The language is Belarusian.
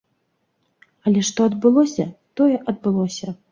Але што адбылося, тое адбылося.